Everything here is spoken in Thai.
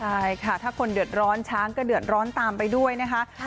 ใช่ค่ะถ้าคนเดือดร้อนช้างก็เดือดร้อนตามไปด้วยนะคะ